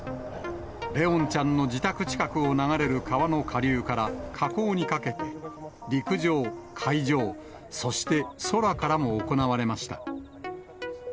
怜音ちゃんの自宅近くを流れる川の下流から、河口にかけて、陸上、海上、そして空からも行われました。